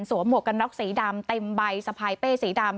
หมวกกันน็อกสีดำเต็มใบสะพายเป้สีดำ